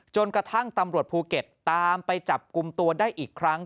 จนกระทั่งตำรวจภูเก็ตตามไปจับกลุ่มตัวได้อีกครั้ง